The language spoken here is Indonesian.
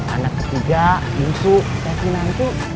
anak ketiga yusuf tekin nanti